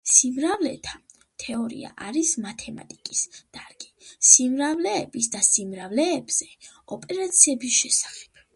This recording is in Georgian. სიმრავლეთა თეორია არის მათემატიკის დარგი სიმრავლეების და სიმრავლეებზე ოპერაციების შესახებ.